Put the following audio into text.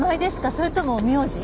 それとも名字？